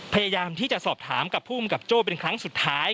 พยายามที่จะสอบถามกับภูมิกับโจ้เป็นครั้งสุดท้าย